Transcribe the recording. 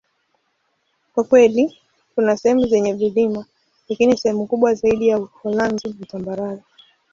Kwa kweli, kuna sehemu zenye vilima, lakini sehemu kubwa zaidi ya Uholanzi ni tambarare.